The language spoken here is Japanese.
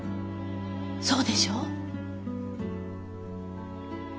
そうでしょ？